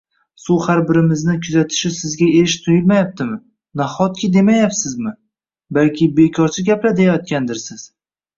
Suv har birimizni kuzatishi sizga erish tuyulmayaptimi? “Nahotki” demayapsizmi? Balki “bekorchi gaplar” deyayotgandirsiz